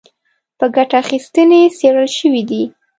په ګټه اخیستنې څېړل شوي دي